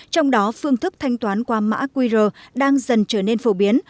trong đó phương thức thanh toán qua mã qr đang dần trở nên phổ biến